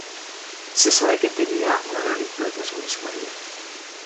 Se sabe que tenía una gran influencia sobre su marido.